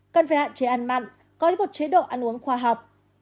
cần phải hạn chế ăn mặn có ít một chế độ ăn uống khoa học